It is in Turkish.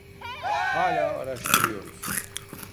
Hala araştırıyoruz.